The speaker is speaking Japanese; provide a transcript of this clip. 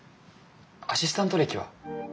アシスタント歴は？